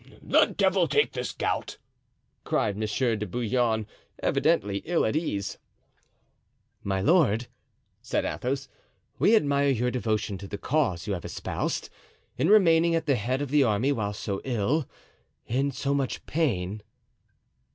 "The devil take this gout!" cried Monsieur de Bouillon, evidently ill at ease. "My lord," said Athos, "we admire your devotion to the cause you have espoused, in remaining at the head of the army whilst so ill, in so much pain."